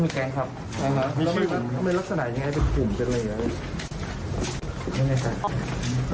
จึงขออนุมัติศาสตร์จังหวัดเชียงใหม่ออกไม้จับและจับกุมตัวในซีซ่า